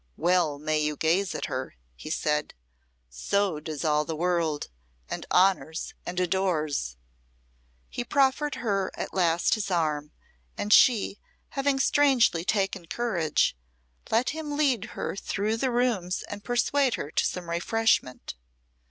"Well may you gaze at her," he said. "So does all the world, and honours and adores." He proffered her at last his arm, and she, having strangely taken courage, let him lead her through the rooms and persuade her to some refreshment.